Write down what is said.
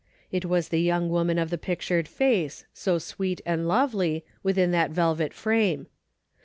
It was the young woman of the pictured face, so sweet and lovely, within that velvet frame.